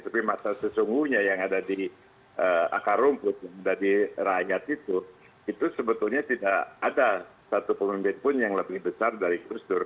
tapi massa sesungguhnya yang ada di akar rumput yang ada di rakyat itu itu sebetulnya tidak ada satu pemimpin pun yang lebih militan